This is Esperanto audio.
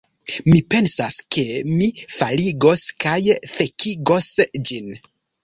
Mi pensas, ke mi faligos kaj fekigos ĝin